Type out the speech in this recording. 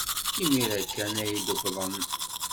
Imir-a kan ay d-uwḍeɣ.